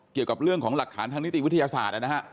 เกี่ยวกับเรื่องของหลักฐานทางนิติวิทยาศาสตร์นะฮะ